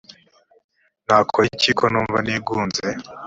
nakora iki ko numva nigunze ‽